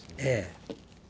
ええ。